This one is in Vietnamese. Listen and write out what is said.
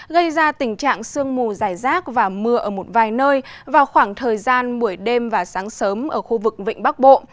gây ra tình trạng sương mù dài rác và mưa ở một vài nơi vào khoảng thời gian buổi đêm và sáng sớm ở khu vực vịnh bắc bộ